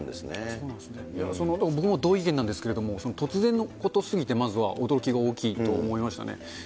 そうなんですね、僕も同意見なんですけれども、突然のことすぎて、まずは驚きが大きいと思いましたね。